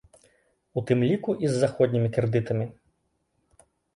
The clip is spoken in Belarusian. У тым ліку і з заходнімі крэдытамі.